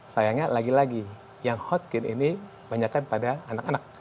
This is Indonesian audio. sayangnya lagi lagi yang hot skin ini banyakkan pada anak anak